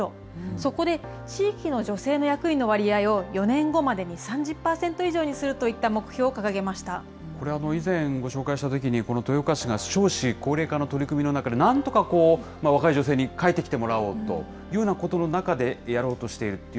そこで地域の女性の役員の割合を４年後までに３０％以上にするとこれ、以前ご紹介したときに、この豊岡市が少子高齢化の取り組みの中で、なんとか若い女性に帰ってきてもらおうという取り組みの中でやろうとしている。